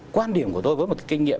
quan điểm của tôi với một kinh nghiệm